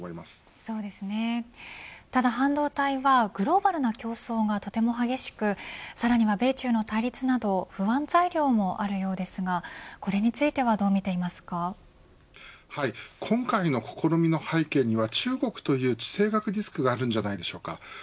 ただ半導体は、グローバルな競争がとても激しくさらには米中の対立など不安材料もあるようですがこれについては今回の試みの背景には中国という地政学リスクがあるんじゃないでしょうか。